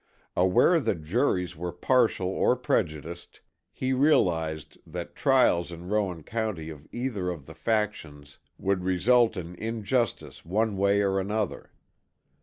Aware that juries were partial or prejudiced, he realized that trials in Rowan County of either of the factions would result in injustice one way or another.